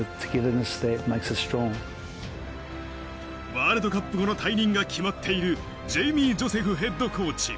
ワールドカップ後の退任が決まっているジェイミー・ジョセフＨＣ。